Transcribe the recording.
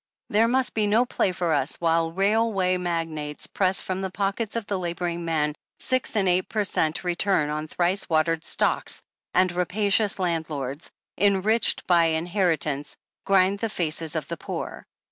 There must be no play for us while railway magnates press from the pockets of the laboring man six and eight per cent, return on thrice watered stocks, and rapacious land lords, enriched by inheritance, grind the faces of the poor.